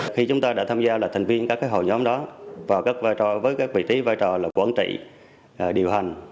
khi chúng ta đã tham gia thành viên các hội nhóm đó với vị trí và vai trò là quản trị điều hành